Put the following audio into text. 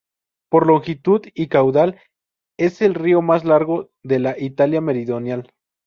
Por longitud y caudal, es el río más largo de la Italia meridional.